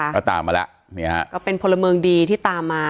ก็ตามมาแล้วเนี่ยฮะก็เป็นพลเมืองดีที่ตามมา